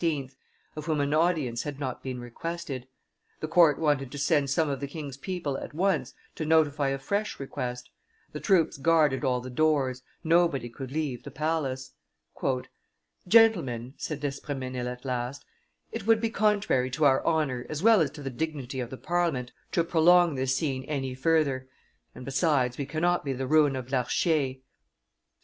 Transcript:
of whom an audience had not been requested. The court wanted to send some of the king's people at once to notify a fresh request; the troops guarded all the doors, nobody could leave the Palace. "Gentlemen," said d'Espr4mesnil at last, "it would be contrary to our honor as well as to the dignity of the Parliament to prolong this scene any further; and, besides, we cannot be the ruin of Larchier; let M.